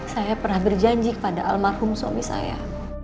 saya pernah berjanji kepada almarhum suami saya